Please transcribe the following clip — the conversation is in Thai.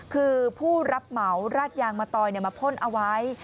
คือผู้รับเหมาราดยางมะตอยมาพ่นเอาไว้